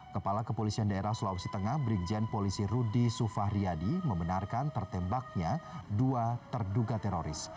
kepala kepolisian daerah sulawesi tengah brigjen polisi rudy sufahriyadi membenarkan tertembaknya dua terduga teroris